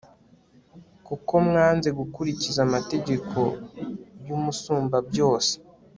kuko mwanze gukurikiza amategeko y'umusumbabyose